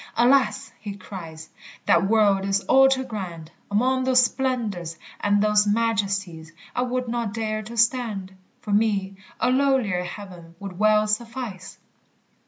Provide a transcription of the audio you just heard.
"Alas!" he cries, "That world is all too grand; Among those splendors and those majesties I would not dare to stand; For me a lowlier heaven would well suffice!"